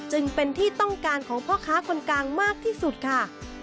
จึงเป็นที่ต้องการของพ่อค้าคนกลางมากที่สุดค่ะ